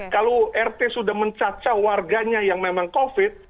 kalau rt sudah mencacah warganya yang memang covid